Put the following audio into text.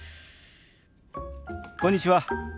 こんにちは。